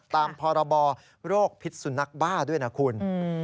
ตามพรบโรคพิษสุนัขบ้าด้วยนะคุณ